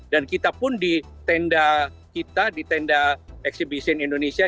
dan kita pun di tenda kita di tenda ekshibisi indonesia